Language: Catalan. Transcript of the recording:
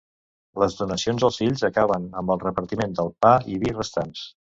Les donacions als fills acaben amb el repartiment del pa i vi restants.